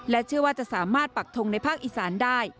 เชื่อว่าจะสามารถปักทงในภาคอีสานได้